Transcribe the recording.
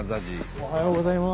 おはようございます。